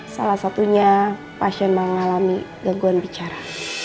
salah satunya pasien mengalami gangguan bicara